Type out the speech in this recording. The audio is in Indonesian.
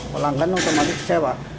pelanggan langsung lagi kecewa